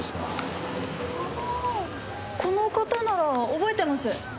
ああこの方なら覚えてます。